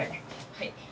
はい。